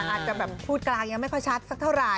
อาจจะแบบพูดกลางยังไม่ค่อยชัดสักเท่าไหร